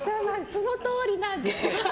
そのとおりなんです。